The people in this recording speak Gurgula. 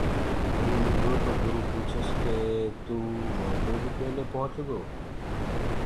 گُروٚ مِلرو تو گُرو پوٚڇس ڪيس ڪي تو موندي بي پيلي رس گو۔